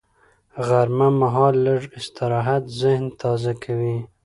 غرمه مهال لږ استراحت ذهن تازه کوي